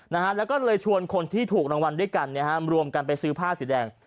นะฮะแล้วก็เลยชวนคนที่ถูกรางวัลด้วยกันเนี่ยฮะรวมกันไปซื้อผ้าสีแดง